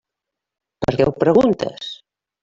Per què ho preguntes?